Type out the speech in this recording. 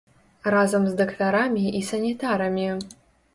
Разам з дактарамі і санітарамі.